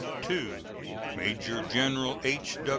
Major General H.